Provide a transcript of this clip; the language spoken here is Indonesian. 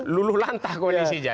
luluh lantah kondisinya